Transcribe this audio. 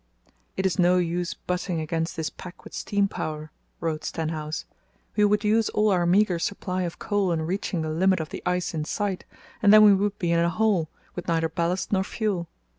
"It is no use butting against this pack with steam power," wrote Stenhouse. "We would use all our meagre supply of coal in reaching the limit of the ice in sight, and then we would be in a hole, with neither ballast nor fuel....